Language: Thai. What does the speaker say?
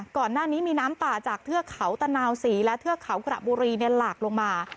ก่อนหน้านี้มีน้ำป่าจากเทือกเขาตะนาวศรีและเทือกเขากระบุรีหลากลงมา